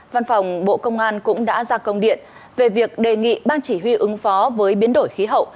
văn phòng bộ công an cũng đã ra công điện về việc đề nghị ban chỉ huy ứng phó với biến đổi khí hậu